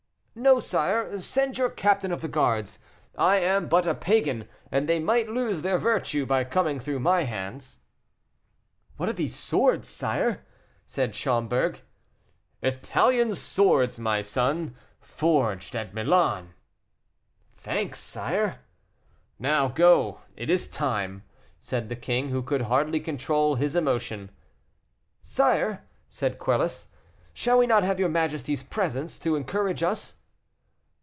"No, sire, send your captain of the guards; I am but a Pagan, and they might lose their virtue by coming through my hands." "What are these swords, sire?" said Schomberg. "Italian swords, my son, forged at Milan." "Thanks, sire." "Now go, it is time," said the king, who could hardly control his emotion. "Sire," said Quelus, "shall we not have your majesty's presence to encourage us?"